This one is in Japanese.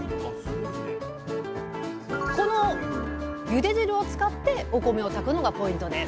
このゆで汁を使ってお米を炊くのがポイントです